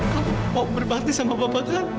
kamu mau berbakti sama bapak dred